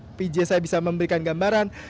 kalau teman kamera pj saya bisa memberikan gambaran